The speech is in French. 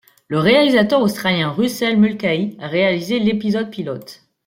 Le réalisateur australien Russell Mulcahy a réalisé l'épisode pilote.